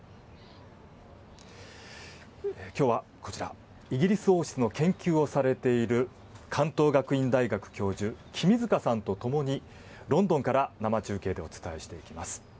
今日は、イギリス王室の研究をされている関東学院大学教授君塚さんとともにロンドンから生中継でお伝えしていきます。